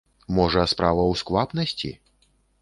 Можа, справа ў сквапнасці?